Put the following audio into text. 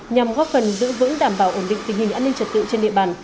nhằm góp phần giữ vững đảm bảo ổn định tình hình an ninh trật tự trên địa bàn